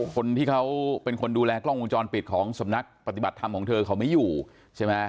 คนที่เขาเป็นคนดูแลกล้องวงจรปิดของสำนักปฏิบัติธรรมของเธอเขาไม่อยู่ใช่ไหม